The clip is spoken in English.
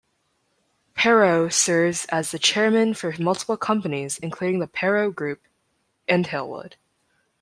Perot serves as the Chairman for multiple companies including The Perot Group and Hillwood.